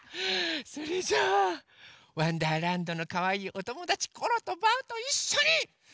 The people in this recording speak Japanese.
それじゃあ「わんだーらんど」のかわいいおともだちコロとバウといっしょに「ピカピカブ！」